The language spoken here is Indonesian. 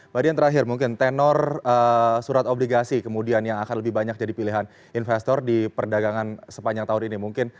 mbak dian terakhir mungkin tenor surat obligasi kemudian yang akan lebih banyak jadi pilihan investor di perdagangan sepanjang tahun ini mungkin